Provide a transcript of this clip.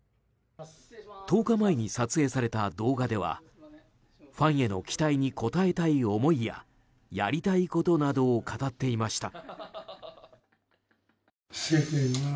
１０日前に撮影された動画ではファンへの期待に応えたい思いややりたいことなどを語っていました。